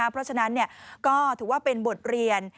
เพราะฉะนั้นก็ถือว่าเป็นบทเรียน